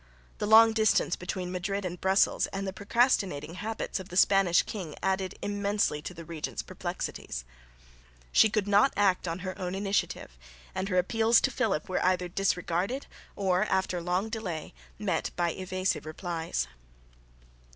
The long distance between Madrid and Brussels and the procrastinating habits of the Spanish king added immensely to the regent's perplexities. She could not act on her own initiative, and her appeals to Philip were either disregarded or after long delay met by evasive replies.